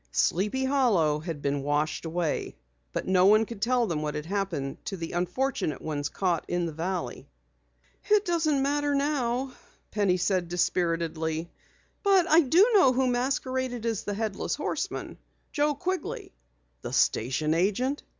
Sleepy Hollow had been washed away, but no one could tell them what had happened to the unfortunate ones caught in the valley. "It doesn't matter now," Penny said dispiritedly, "but I know who masqueraded as the Headless Horseman. Joe Quigley." "The station agent!"